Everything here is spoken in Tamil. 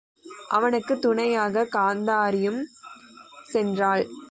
அவனுக்குத் துணையாகக் காந்தாரியும் சென்றாள்.